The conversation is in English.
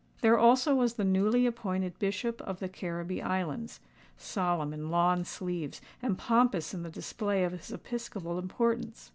There also was the newly appointed Bishop of the Carribbee Islands—solemn in lawn sleeves, and pompous in the display of his episcopal importance.